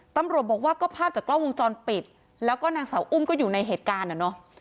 ตำรวจบอกว่าก็ภาพจากกล้องวงจรปิดแล้วก็นางสาวอุ้มก็อยู่ในเหตุการณ์อ่ะเนอะ